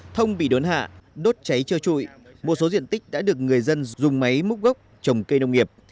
thông bị đốn hạ đốt cháy trơ trụi một số diện tích đã được người dân dùng máy múc gốc trồng cây nông nghiệp